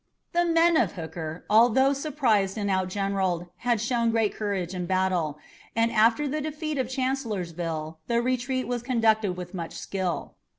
The men of Hooker, although surprised and outgeneralled, had shown great courage in battle, and after the defeat of Chancellorsville the retreat was conducted with much skill.